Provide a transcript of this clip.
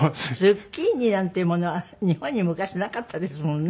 ズッキーニなんていうものは日本に昔なかったですもんね。